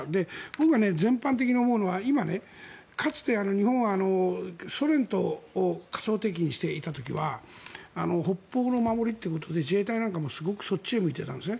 僕が全般的に思うのは今、かつて日本はソ連を仮想敵国としていた時は北方の守りということで自衛隊の守りもすごくそっちへ向いていたんです。